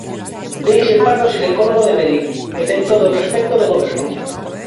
Deixe en paz o xinecólogo de Verín, que ten todo o respecto do Goberno.